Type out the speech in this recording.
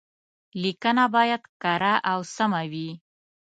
ليکنه بايد کره او سمه وي.